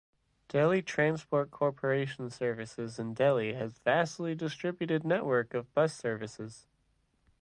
Delhi Transport Corporation services in Delhi has vastly distributed network of bus services.